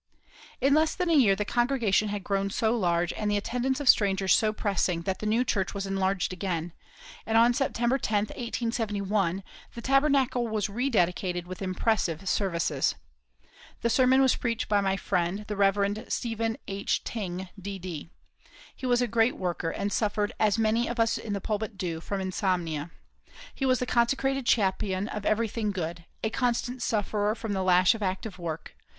In less than a year later the congregation had grown so large and the attendance of strangers so pressing that the new church was enlarged again, and on September 10, 1871, the Tabernacle was rededicated with impressive services. The sermon was preached by my friend the Rev. Stephen H. Tyng, D.D. He was a great worker, and suffered, as many of us in the pulpit do, from insomnia. He was the consecrated champion of everything good, a constant sufferer from the lash of active work.